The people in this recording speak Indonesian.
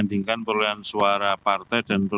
banten dua kapan kwrench